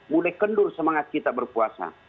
mulai kendur semangat kita berpuasa